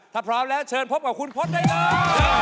ถ้าพร้อมแล้วเชิญพบกับคุณพจน์ได้เลย